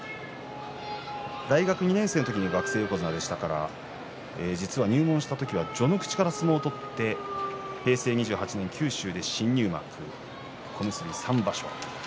大学２年生の時に学生横綱でしたから実は入門した時は序ノ口から相撲を取って平成２８年、九州で新入幕小結３場所。